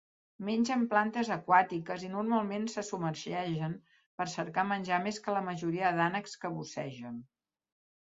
Mengen plantes aquàtiques i normalment se submergeixen per cercar menjar més que la majoria d'ànecs que bussegen.